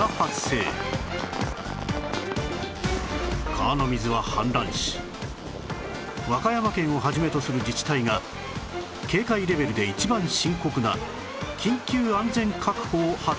川の水は氾濫し和歌山県を始めとする自治体が警戒レベルで一番深刻な緊急安全確保を発令した